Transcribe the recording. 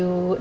dua kan itu